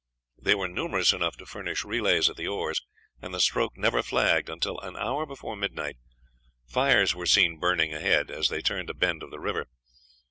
They were numerous enough to furnish relays at the oars, and the stroke never flagged until, an hour before midnight, fires were seen burning ahead, as they turned a bend of the river.